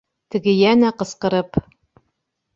Теге йәнә ҡысҡырып